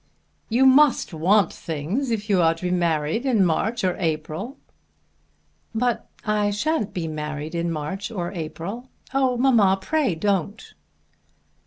"You must want things if you are to be married in March or April." "But I shan't be married in March or April. Oh, mamma, pray don't."